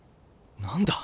何だ？